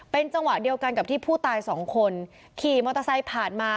เป็นจังหวะเดียวกันกับที่ผู้ตายสองคนขี่มอเตอร์ไซค์ผ่านมา